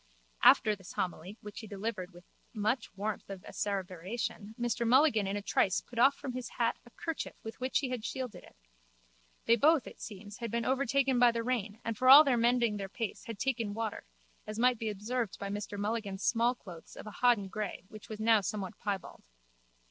After this homily which he delivered with much warmth of asseveration Mr Mulligan in a trice put off from his hat a kerchief with which he had shielded it. They both, it seems, had been overtaken by the rain and for all their mending their pace had taken water, as might be observed by Mr Mulligan's smallclothes of a hodden grey which was now somewhat piebald.